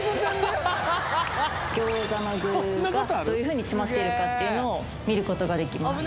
餃子の具がどういうふうに詰まっているかっていうのを見ることができます